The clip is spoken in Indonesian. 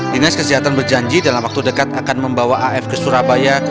dinas kesehatan berjanji dalam waktu dekat akan membawa af ke surabaya